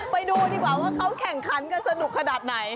ไปดูดีกว่าว่าเขาแข่งขันกันสนุกขนาดไหน